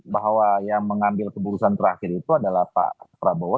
bahwa yang mengambil keputusan terakhir itu adalah pak prabowo